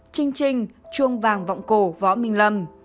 trinh trinh chuông vàng vọng cổ võ minh lâm